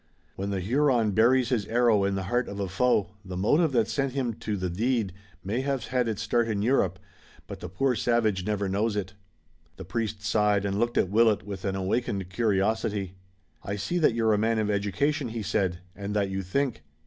When the Huron buries his arrow in the heart of a foe the motive that sent him to the deed may have had its start in Europe, but the poor savage never knows it." The priest sighed, and looked at Willet with an awakened curiosity. "I see that you're a man of education," he said, "and that you think.